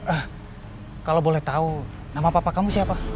eh kalau boleh tau nama papa kamu siapa